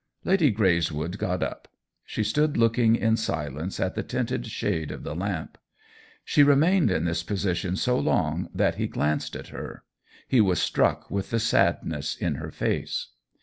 Lady Greyswood got up ; she stood look ing in silence at the tinted shade of the lamp. She remained in this position so long that he glanced at her— he was struck with the sadness in her face.